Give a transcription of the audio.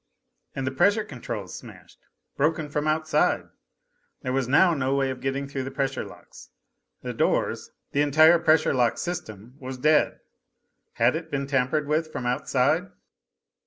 "And the pressure controls smashed! Broken from outside!" There was no way now of getting through the pressure locks. The doors, the entire pressure lock system, was dead. Had it been tampered with from outside?